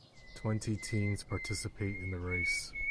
Twenty teams participate in the race.